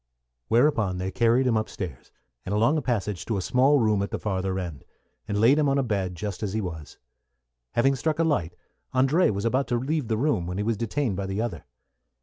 Whereupon they carried him up stairs, and along a passage, to a small room at the farther end, and laid him on a bed just as he was. Having struck a light, André was about to leave the room, when he was detained by the other.